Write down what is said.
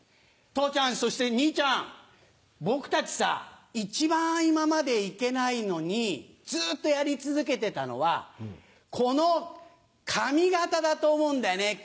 父ちゃんそして兄ちゃん僕たち一番今までいけないのにずっとやり続けてたのはこの髪形だと思うんだよね。